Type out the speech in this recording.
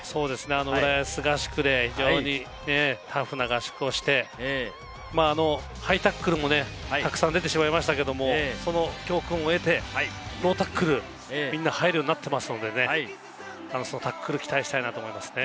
浦安合宿で非常にタフな合宿をしてハイタックルもたくさん出てしまいましたけれども、その教訓を得てロータックル、みんな入るようになってきているので、そのタックルに期待したいなと思いますね。